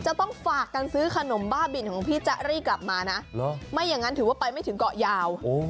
จะต้องฝากกันซื้อขนมบ้าบินของพี่แจรี่กลับมานะไม่อย่างนั้นถือว่าไปไม่ถึงเกาะยาว